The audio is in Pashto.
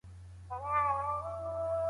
ماشومان بايد له کومو بدو کارونو وژغورل سي؟